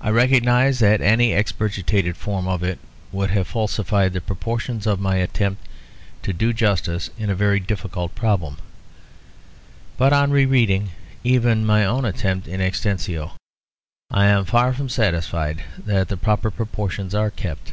I recognise that any expurgated form of it would have falsified the proportions of my attempt to do justice in a very difficult problem; but on re reading even my own attempt in extenso, I am far from satisfied that the proper proportions are kept.